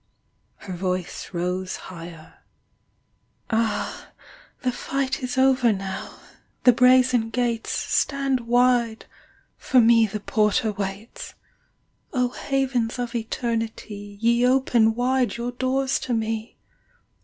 Her voice rose higher :' Ah ! the fight Is over now : the brazen gates Stand wide : for me the porter waits. O Havens of Eternity, Ye open wide your doors to me.